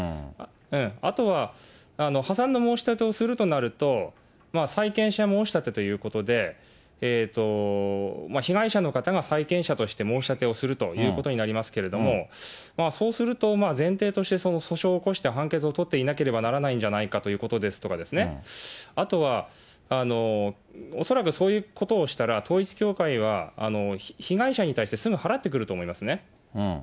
あとは、破産の申し立てをするとなると、債権者申し立てということで、被害者の方が債権者として申し立てをするということになりますけれども、そうすると、前提として訴訟を起こして判決を取っていなければならないんじゃないかということですとかですね、あとは、恐らくそういうことをしたら、統一教会は被害者に対して、すぐ払ってくると思いますね。